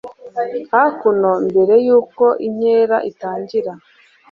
hakuno mbere yuko inkera itangira